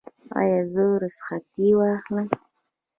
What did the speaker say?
ایا زه رخصتي واخلم؟